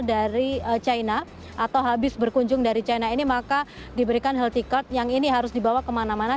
dari china atau habis berkunjung dari china ini maka diberikan healthy card yang ini harus dibawa kemana mana